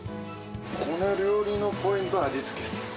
この料理のポイントは味付けですね。